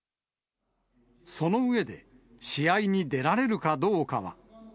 その上で、試合に出られるかどうかは。